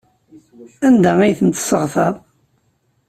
Anda ay tent-tesseɣtaḍ?